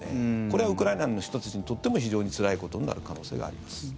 これはウクライナの人たちにとっても非常につらいことになる可能性があります。